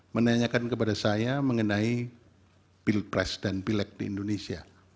menanyakan kepada saya mengenai pilpres dan pilek di indonesia